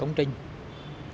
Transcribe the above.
hơn một kia intake trước